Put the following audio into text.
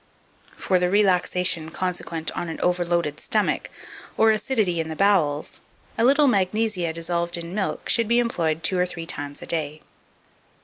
For the relaxation consequent on an overloaded stomach, or acidity in the bowels, a little magnesia dissolved in milk should be employed two or three times a day.